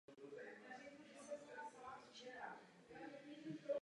Vrchní velitel námořních operací má pozadí své vlajky napůl bílé a napůl modré.